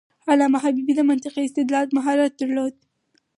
علامه حبيبي د منطقي استدلال مهارت درلود.